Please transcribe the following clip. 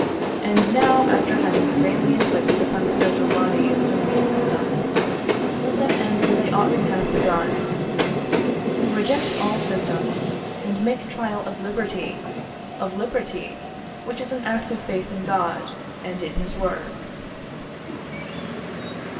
And now, after having vainly inflicted upon the social body so many systems, let them end where they ought to have begun reject all systems, and make trial of liberty of liberty, which is an act of faith in God and in His work.